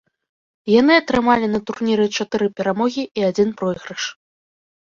Яны атрымалі на турніры чатыры перамогі і адзін пройгрыш.